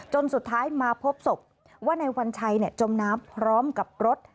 สุดท้ายมาพบศพว่านายวัญชัยจมน้ำพร้อมกับรถ